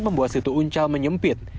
membuat situ uncal menyempit